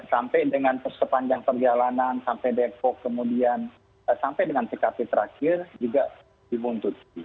sampai dengan sepanjang perjalanan sampai depok kemudian sampai dengan tkp terakhir juga dibuntut